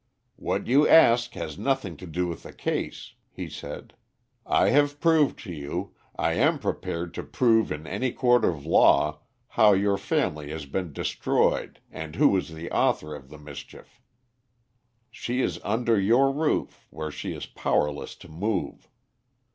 "What you ask has nothing to do with the case," he said. "I have proved to you, I am prepared to prove in any court of law, how your family has been destroyed and who is the author of the mischief. "She is under your roof, where she is powerless to move.